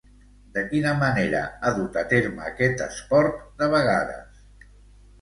De quina manera ha dut a terme aquest esport de vegades?